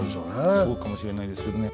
そうかもしれないですけどね。